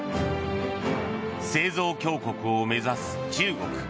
製造強国を目指す中国。